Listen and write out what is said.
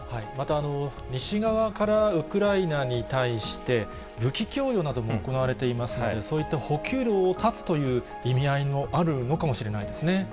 また西側からウクライナに対して、武器供与なども行われていますので、そういった補給路を断つという意味合いもあるのかもしれないですね。